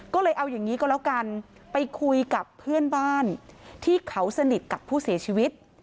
ก็เลยเอาอย่างนี้ก็แล้วกันไปคุยกับเพื่อนบ้านที่เขาสนิทกับผู้เสียชีวิต